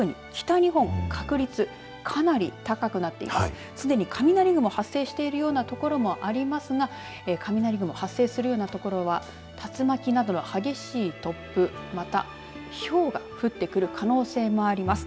すでに雷雲発生しているような所もありますが雷雲が発生するような所は竜巻などの激しい突風また、ひょうが降ってくる可能性もあります。